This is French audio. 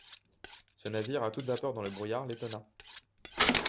Ce navire à toute vapeur dans le brouillard l’étonna.